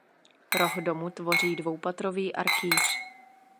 Roh domu tvoří dvoupatrový arkýř.